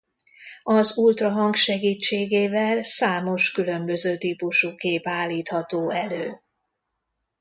Az ultrahang segítségével számos különböző típusú kép állítható elő.